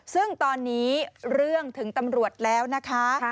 ซึ่งตอนนี้เรื่องถึงตำรวจแล้วนะคะ